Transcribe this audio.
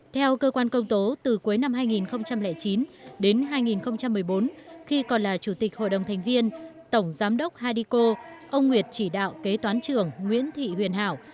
theo cơ quan công tố từ cuối năm hai nghìn chín đến hai nghìn một mươi bốn khi còn là chủ tịch hội đồng thành viên tổng giám đốc hadico ông nguyệt chỉ đạo kế toán trưởng nguyễn thị huyền hảo